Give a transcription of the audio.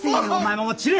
もう散れ！